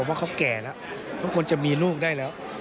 ว่าเขาแก่แล้วเขาควรจะมีลูกได้แล้ว